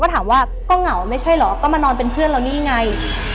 ก็เหงาว่าไม่ใช่หรอก็มานอนเป็นเพื่อนเรานี่ไง